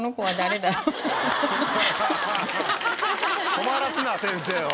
困らすな先生を。